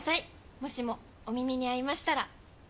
もしもお耳に合いましたら。